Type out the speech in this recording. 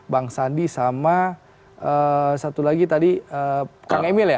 bang sandi sama satu lagi tadi kang emil ya